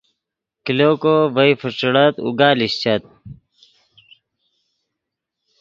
کلو کو ڤئے فیݯیڑت اوگا لیشچت